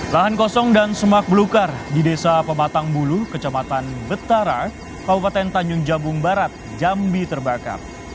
lahan kosong dan semak belukar di desa pematang bulu kecamatan betara kabupaten tanjung jabung barat jambi terbakar